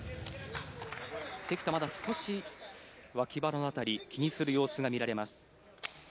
関田、まだ少し脇腹の辺りを気にする様子が見られます。